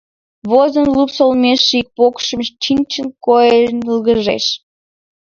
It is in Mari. Возын лупс олмеш ший покшым — чинчын койын йылгыжеш.